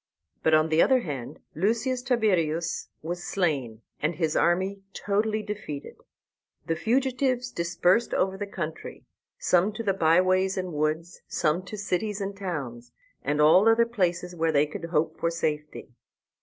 But on the other hand Lucius Tiberius was slain, and his army totally defeated. The fugitives dispersed over the country, some to the by ways and woods, some to cities and towns, and all other places where they could hope for safety.